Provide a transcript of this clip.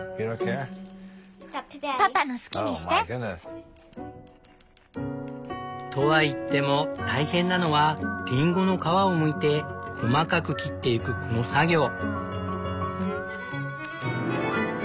パパの好きにして。とはいっても大変なのはリンゴの皮をむいて細かく切ってゆくこの作業。